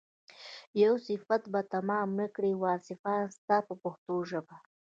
یو صفت به تمام نه کړي واصفان ستا په پښتو ژبه.